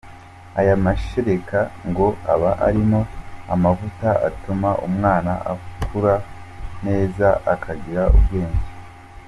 Aya mashereka ngo aba arimo amavuta atuma umwana akura neza, akagira ubwenge.